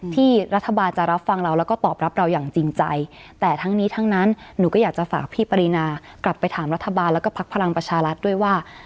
ที่รัฐบาลจะรับฟังเราแล้วก็ตอบรับเราอย่างจริงใจแต่ทั้งนี้ทั้งนั้นหนูก็อยากจะฝากพี่ปรินากลับไปถามรัฐบาลแล้วก็พักพลังประชารัฐด้วยว่า